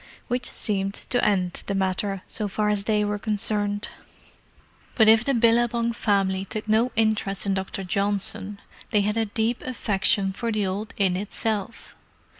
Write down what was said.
Which seemed to end the matter, so far as they were concerned. But if the Billabong family took no interest in Dr. Johnson, they had a deep affection for the old inn itself.